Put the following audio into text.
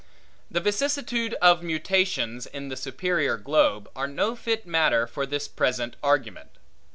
The vicissitude of mutations in the superior globe, are no fit matter for this present argument.